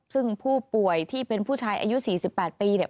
ซึ่งผู้ป่วยที่เป็นผู้ชายอายุ๔๘ปีเนี่ย